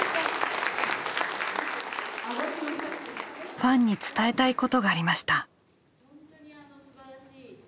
ファンに伝えたいことがありました。